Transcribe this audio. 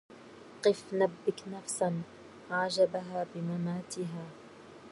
قف نبك نفسا عجبها بمماتها